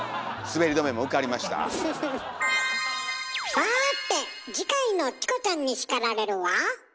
さて次回の「チコちゃんに叱られる」は？